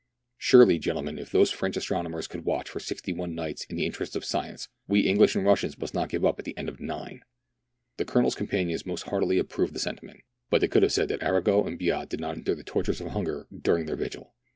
Surely, gentlemen, if those French astronomers could watch for sixty one nights in the interests of science, we English and Russians must not give up at the end of nine." The Colonel's companions most heartily approved the sentiment ; but they could have said that Arago and Biot did not endure the tortures of hunger during their long vigil.